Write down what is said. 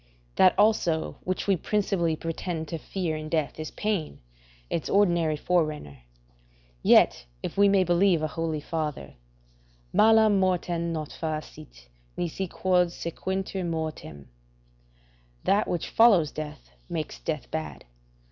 That also which we principally pretend to fear in death is pain, its ordinary forerunner: yet, if we may believe a holy father: "Malam mortem non facit, nisi quod sequitur mortem." ["That which follows death makes death bad."